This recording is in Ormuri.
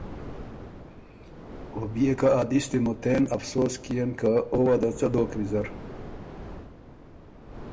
او بيې ا دِستی مُتېن افسوس کيېن که او وه ده څۀ دوک ویزر۔